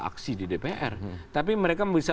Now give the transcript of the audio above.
aksi di dpr tapi mereka bisa